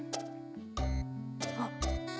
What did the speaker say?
あっ！